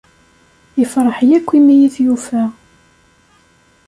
Ifṛeḥ yakk imi i t-yufa.